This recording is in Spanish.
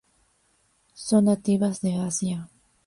Son nativas de Asia.